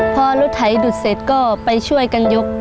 พอรถไถดูดเสร็จก็ไปช่วยกันยก